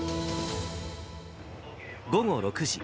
午後６時。